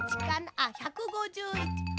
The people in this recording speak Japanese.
あっ１５１あら？